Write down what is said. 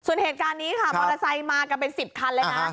ส่วนเหตุการณ์นี้ค่ะมอเตอร์ไซค์มากันเป็น๑๐คันเลยนะ